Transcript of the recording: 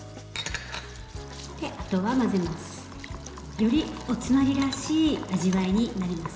よりおつまみらしい味わいになります。